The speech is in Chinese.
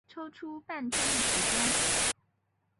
抽出半天的时间